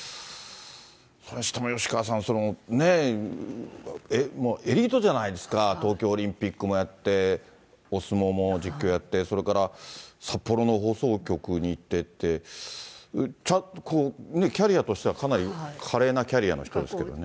それにしても吉川さん、エリートじゃないですか、東京オリンピックもやって、お相撲も実況やって、それから札幌の放送局に行ってって、キャリアとしてはかなり華麗なキャリアの人ですけどね。